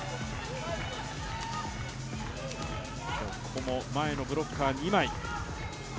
ここも前のブロッカーが二枚。